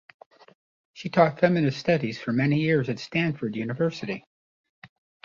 She taught feminist studies for many years at Stanford University.